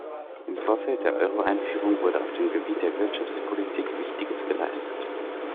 Im Vorfeld der Euro-Einführung wurde auf dem Gebiet der Wirtschaftspolitik Wichtiges geleistet.